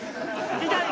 痛い！